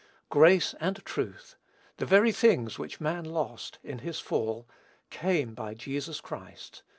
"Grace and truth," the very things which man lost, in his fall, "came by Jesus Christ."